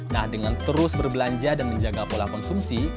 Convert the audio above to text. nah dengan terus berbelanja dan menjaga pola konsumsi